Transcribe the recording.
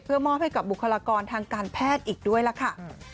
มอบให้กับบุคลากรทางการแพทย์อีกด้วยล่ะค่ะ